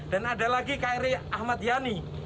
dan ada lagi kri ahmad yani